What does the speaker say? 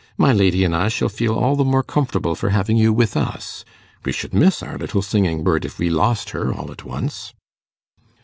My lady and I shall feel all the more comfortable for having you with us. We should miss our little singing bird if we lost her all at once.